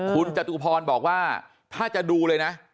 คุณจตุพรบอกว่าถ้าจะดูเลยนะ